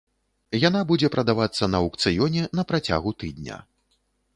Яна будзе прадавацца на аўкцыёне на працягу тыдня.